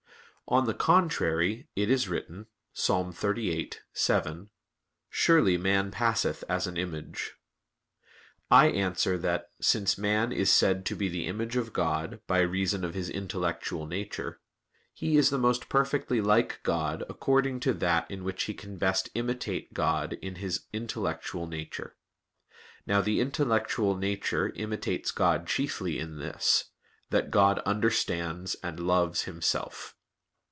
On the contrary, It is written (Ps. 38:7): "Surely man passeth as an image." I answer that, Since man is said to be the image of God by reason of his intellectual nature, he is the most perfectly like God according to that in which he can best imitate God in his intellectual nature. Now the intellectual nature imitates God chiefly in this, that God understands and loves Himself.